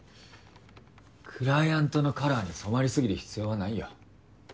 クライアントのカラーに染まり過ぎる必要はないよ。